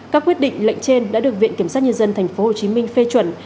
các quyết định lệnh trên đã được viện kiểm sát nhân dân tp hcm phê chuẩn